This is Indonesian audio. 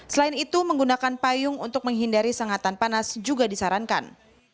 selain itu menggunakan payung untuk menghindari sengatan panas juga disarankan